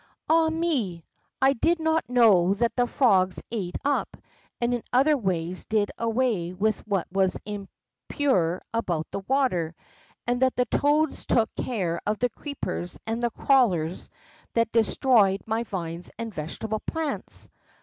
Ah, me ! I did not know that the frogs ate up, and in other ways did away with what was impure about the water, and that the toads took care of the creepers and the crawlers that destroyed 86 THE ROCK FROG my vines and vegetable plants.